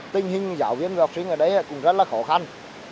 tình hình giáo viên và học sinh ở đây cũng rất là khó khăn